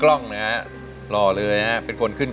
ร้องได้เห็นแม่มีสุขใจ